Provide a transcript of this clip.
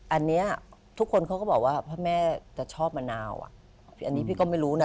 อันนี้ทุกคนเขาก็บอกว่าพระแม่จะชอบมะนาวอ่ะอันนี้พี่ก็ไม่รู้นะ